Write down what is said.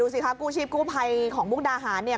ดูสิค่ะกู้ชีพกู้ไพของบุคดาหารเนี่ย